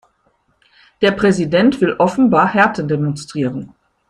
Der Präsident will offenbar Härte demonstrieren.